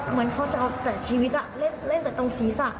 เหมือนเขาจะเอาแต่ชีวิตเล่นแต่ตรงศีรษะ